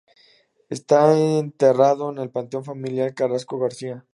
Está enterrado en el panteón familiar Carrasco-García.